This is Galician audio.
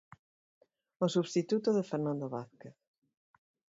O substituto de Fernando Vázquez.